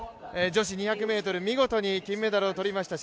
女子２００ｍ、見事に金メダルを取りました